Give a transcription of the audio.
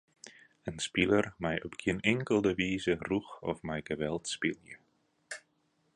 In spiler mei op gjin inkelde wize rûch of mei geweld spylje.